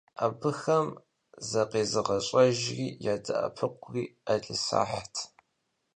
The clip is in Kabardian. Абыхэм закъезыгъэщӏэжри ядэӏэпыкъури ӏэлисахьт.